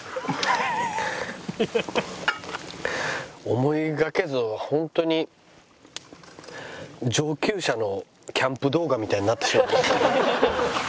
思いがけずホントに上級者のキャンプ動画みたいになってしまいましたね。